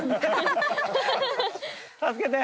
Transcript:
助けて！